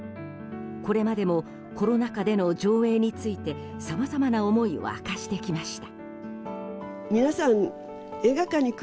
これまでもコロナ禍での上映についてさまざまな思いを明かしてきました。